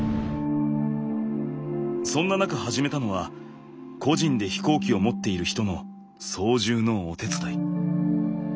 そんな中始めたのは個人で飛行機を持っている人の操縦のお手伝い。